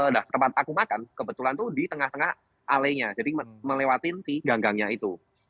nah tempat aku makan kebetulan tuh di tengah tengah alenya jadi melewatin si ganggangnya itu